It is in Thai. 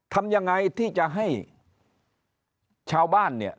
ทำยังไงที่จะให้ชาวบ้าน